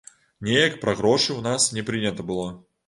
Неяк пра грошы ў нас не прынята было.